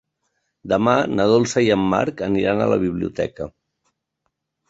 Demà na Dolça i en Marc aniran a la biblioteca.